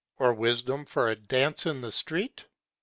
Or wisdom for a dance in the street?